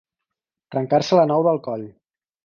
Trencar-se la nou del coll.